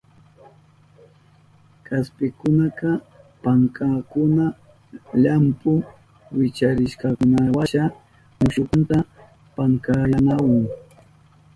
Kaspikunaka pankankuna llampu wicharishkankunawasha mushumanta pankayanahun.